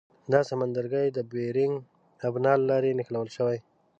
دا سمندرګي د بیرنګ ابنا له لارې نښلول شوي.